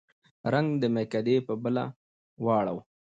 رنګ د مېکدې په بله واړوه